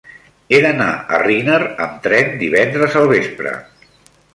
He d'anar a Riner amb tren divendres al vespre.